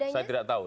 saya tidak tahu